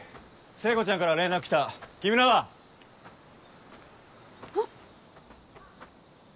聖子ちゃんから連絡来た木村は？えっ？